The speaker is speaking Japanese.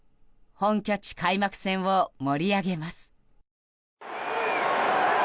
本拠地開幕戦を盛り上げます。